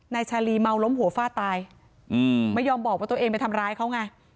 ชาลีเมาล้มหัวฟาดตายไม่ยอมบอกว่าตัวเองไปทำร้ายเขาไง